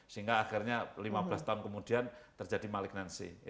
sehingga akhirnya lima belas tahun kemudian terjadi malignansi